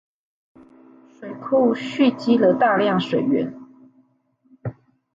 水庫蓄積了大量水源